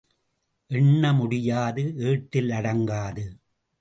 எண்ண முடியாது ஏட்டில் அடங்காது.